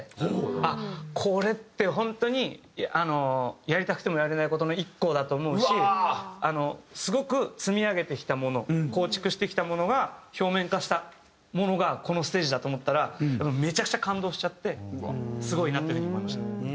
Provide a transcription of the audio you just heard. あっこれって本当にやりたくてもやれない事の１個だと思うしすごく積み上げてきたもの構築してきたものが表面化したものがこのステージだと思ったらめちゃくちゃ感動しちゃってすごいなっていう風に思いました。